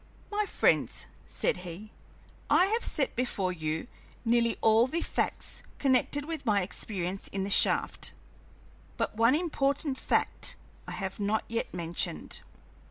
"My friends," said he, "I have set before you nearly all the facts connected with my experience in the shaft, but one important fact I have not yet mentioned.